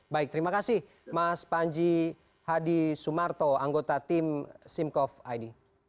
baik terima kasih mas panji hadi sumarto anggota tim simcov id